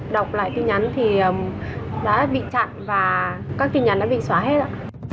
đọc lại tin nhắn thì đã bị chặn và các tin nhắn đã bị xóa hết ạ